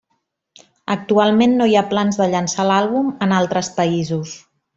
Actualment no hi ha plans de llançar l'àlbum en altres països.